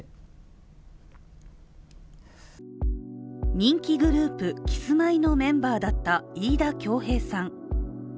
人気グループ、キスマイのメンバーだった飯田恭平さん。